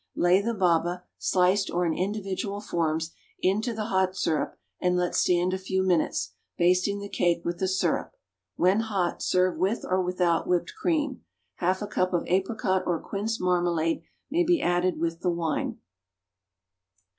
Lay the baba, sliced or in individual forms, into the hot syrup and let stand a few minutes, basting the cake with the syrup. When hot, serve with or without whipped cream. Half a cup of apricot or quince marmalade may be added with the wine.